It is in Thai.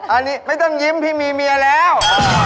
อันนี้ไม่ต้องยิ้มพี่มีเมียแล้ว